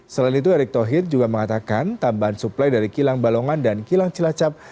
selain itu erick thohir juga mengatakan tambahan suplai dari kilang balongan dan kilang cilacap